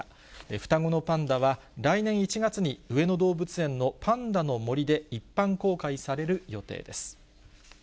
双子のパンダは、来年１月に上野動物園のパンダのもりで一般公開される予定です。